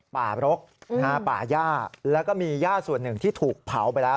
ป่ารกป่าย่าแล้วก็มีย่าส่วนหนึ่งที่ถูกเผาไปแล้ว